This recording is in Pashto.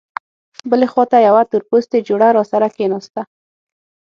بلې خوا ته یوه تورپوستې جوړه راسره کېناسته.